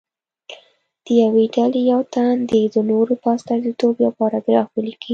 د یوې ډلې یو تن دې د نورو په استازیتوب یو پاراګراف ولیکي.